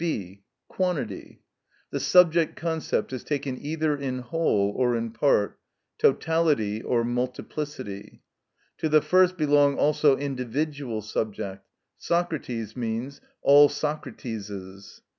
(b.) Quantity: the subject concept is taken either in whole or in part: totality or multiplicity. To the first belong also individual subjects: Socrates means "all Socrateses."